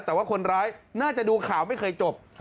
แต่ว่าคนร้ายน่าจะดูข่าวไม่เคยจบ